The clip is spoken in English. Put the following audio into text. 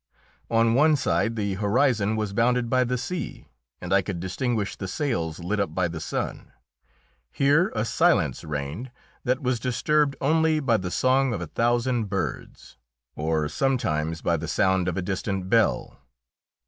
On one side the horizon was bounded by the sea and I could distinguish the sails lit up by the sun. Here a silence reigned that was disturbed only by the song of a thousand birds, or sometimes by the sound of a distant bell.